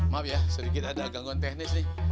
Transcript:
maaf ya sedikit ada gangguan teknis nih